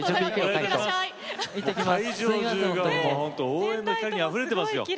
会場中が応援の光にあふれてます。